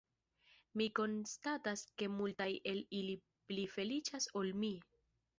Mi konstatas ke multaj el ili pli feliĉas ol mi.